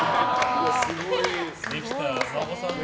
できたお孫さんだ。